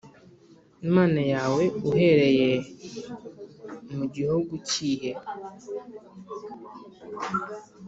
Imana yawe uherereye mu gihugu kihe